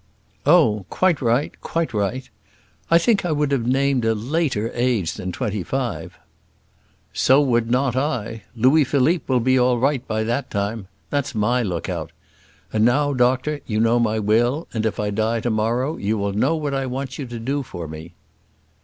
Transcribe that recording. "Oh! quite right, quite right. I think I would have named a later age than twenty five." "So would not I. Louis Philippe will be all right by that time. That's my lookout. And now, doctor, you know my will; and if I die to morrow, you will know what I want you to do for me."